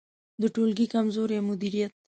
د ټولګي کمزوری مدیریت